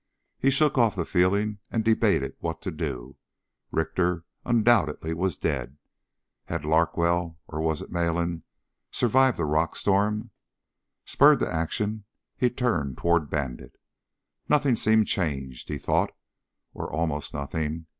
He shook off the feeling and debated what to do. Richter undoubtedly was dead. Had Larkwell or was it Malin? survived the rock storm? Spurred to action, he turned toward Bandit. Nothing seemed changed, he thought, or almost nothing.